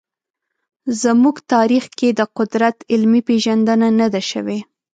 زموږ تاریخ کې د قدرت علمي پېژندنه نه ده شوې.